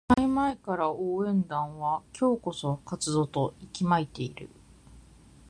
試合前から応援団は今日こそは勝つぞと息巻いている